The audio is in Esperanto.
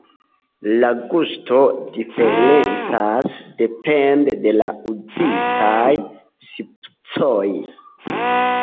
La gusto diferencas depende de la uzitaj spicoj.